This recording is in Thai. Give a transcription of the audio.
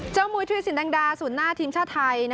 เจ้ามุยถูยสินดังดาสูญหน้าทีมชาติไทย